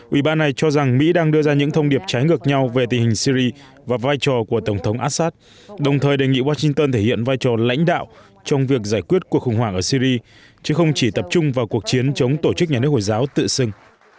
ủy ban này cho rằng mỹ đang đưa ra những thông điệp trái ngược nhau về tình hình syri và vai trò của tổng thống assad đồng thời đề nghị washington thể hiện vai trò lãnh đạo trong việc giải quyết cuộc khủng hoảng ở syri chứ không chỉ tập trung vào cuộc chiến chống tổ chức nhà nước hồi giáo tự xưng